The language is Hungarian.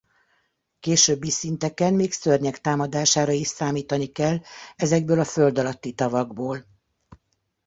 Későbbi szinteken még szörnyek támadására is számítani kell ezekből a földalatti tavakból.